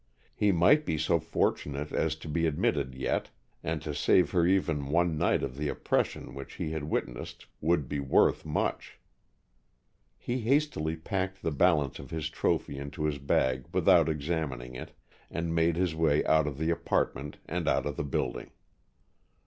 He might be so fortunate as to be admitted yet, and to save her even one night of the oppression which he had witnessed would be worth much. He hastily packed the balance of his trophy into his bag without examining it, and made his way out of the apartment and out of the building.